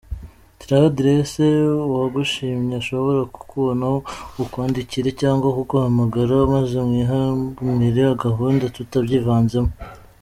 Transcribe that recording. Shyiraho adresse uwagushimye ashobora kukubonaho, kukwandikira cyangwa kuguhamagara maze mwihanire gahunda tutabyivanzemo.